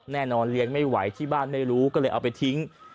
แน่นอนเลี้ยงไม่ไหวที่บ้านไม่รู้ก็เลยเอาไปทิ้ง